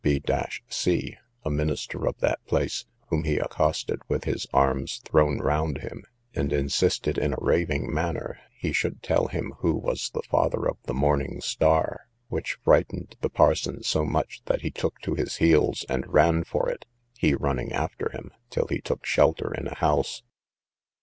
B c, a minister of that place, whom he accosted with his arms thrown round him; and insisted, in a raving manner, he should tell him who was the father of the morning star; which frightened the parson so much, that he took to his heels and ran for it, he running after him, till he took shelter in a house.